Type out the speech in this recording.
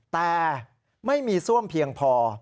แต่ไม่มีซ่วมเพียงพอ